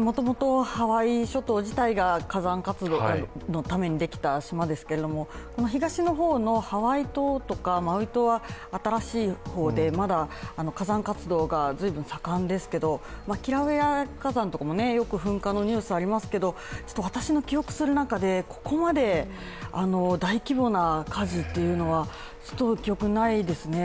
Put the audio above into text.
もともとハワイ諸島自体が火山活動のためにできた島ですけれども、この東の方のハワイ島とかマウイ島は新しい方で、まだ火山活動が随分活動ですけどキラウエア火山とかもよく噴火のニュースがありますが、私の記憶する中でここまで大規模な火事というのはちょっと記憶にないですね